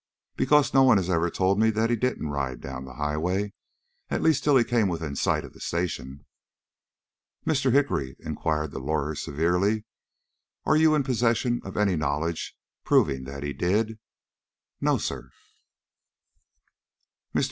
"Because no one has ever told me he didn't ride down the highway, at least till he came within sight of the station." "Mr. Hickory," inquired the lawyer, severely, "are you in possession of any knowledge proving that he did?" "No, sir." Mr.